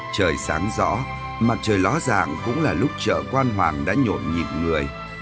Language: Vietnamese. trời sáng rõ mặt trời ló dạng cũng là lúc chợ quan hoàng đã nhộn nhịp người